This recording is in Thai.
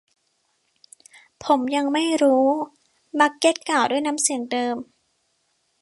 ผมยังไม่รู้ บัคเค็ตกล่าวด้วยน้ำเสียงเดิม